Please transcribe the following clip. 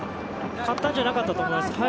簡単じゃなかったと思います。